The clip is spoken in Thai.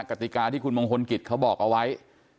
กติกาที่คุณมงคลกิจเขาบอกเอาไว้